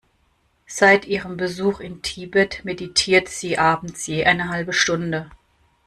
Seit ihrem Besuch in Tibet meditiert sie abends je eine halbe Stunde.